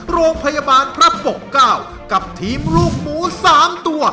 โรงพยาบาลพระปกเก้ากับทีมลูกหมู๓ตัว